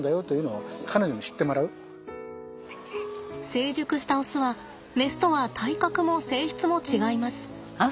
成熟したオスはメスとは体格も性質も違います。